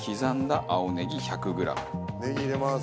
ネギ入れます。